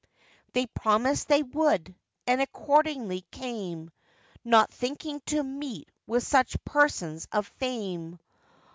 They promised they would, and accordingly came, Not thinking to meet with such persons of fame.